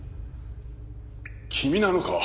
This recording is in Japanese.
君なのか？